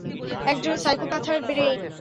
একজন সাইকোপ্যাথের ব্রেইন?